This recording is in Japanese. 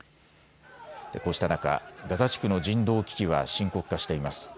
こうした中、ガザ地区の人道危機は深刻化しています。